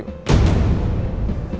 begitu tau soal ini